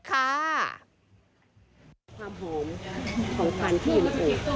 ความหอมของฟันที่อยู่ในโอ่ง